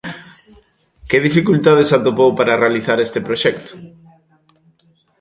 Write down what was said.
Que dificultades atopou para realizar este proxecto?